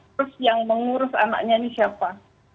terus yang mengurus anaknya ini siapa